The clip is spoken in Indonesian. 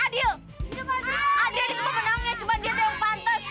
adrian itu pemenangnya cuma dia tuh yang pantes